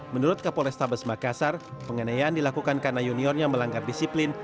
menurut kapolestabes makassar penganiayaan dilakukan karena juniornya melanggar disiplin